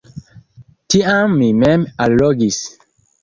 Tiam mi mem allogis.